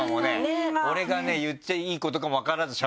俺がね言っていいことかも分からずしゃべってますけどね。